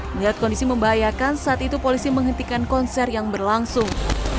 melihat kondisi membahayakan saat itu polisi menghentikan konser yang berlangsung